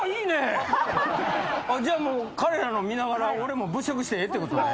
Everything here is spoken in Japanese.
じゃあ彼らの見ながら俺も物色してええってことね。